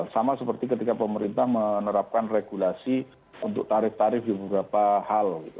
sama seperti ketika pemerintah menerapkan regulasi untuk tarif tarif di beberapa hal